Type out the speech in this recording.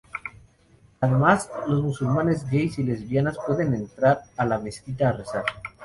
Además, los musulmanes gays y lesbianas pueden entrar a la mezquita a rezar.